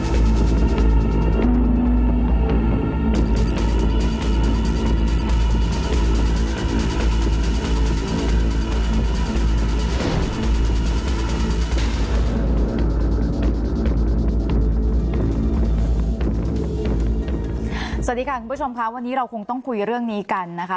สวัสดีค่ะคุณผู้ชมค่ะวันนี้เราคงต้องคุยเรื่องนี้กันนะคะ